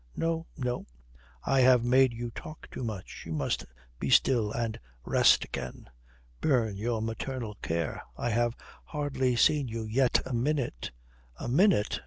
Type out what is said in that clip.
"No. No. I have made you talk too much. You must be still and rest again." "Burn your maternal care! I have hardly seen you yet a minute." "A minute!